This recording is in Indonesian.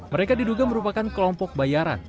mereka diduga merupakan kelompok bayaran